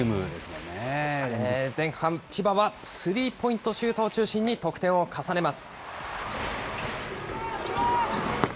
前半、千葉はスリーポイントシュートを中心に得点を重ねます。